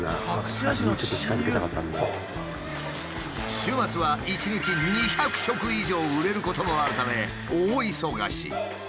週末は１日２００食以上売れることもあるため大忙し。